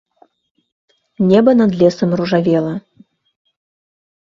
Неба над лесам ружавела.